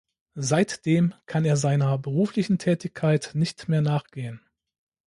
Seitdem kann er seiner beruflichen Tätigkeit nicht mehr nachgehen.